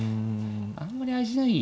あんまり味ない。